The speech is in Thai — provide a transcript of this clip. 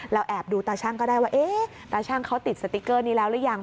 แอบดูตาชั่งก็ได้ว่าเอ๊ะตาช่างเขาติดสติ๊กเกอร์นี้แล้วหรือยัง